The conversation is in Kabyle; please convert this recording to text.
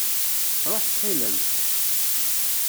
Ṛuḥ ttxil-m!